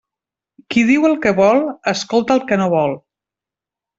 Qui diu el que vol, escolta el que no vol.